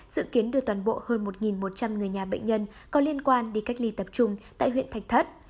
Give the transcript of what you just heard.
dự kiến đưa toàn bộ hơn một một trăm linh người nhà bệnh nhân có liên quan đi cách ly tập trung tại huyện thạch thất